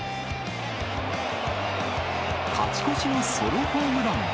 勝ち越しのソロホームラン。